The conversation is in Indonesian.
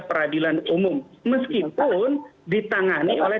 peradilan umum meskipun ditangani oleh